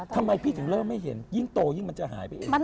ทำไมพี่ถึงเริ่มไม่เห็นยิ่งโตยิ่งมันจะหายไปเอง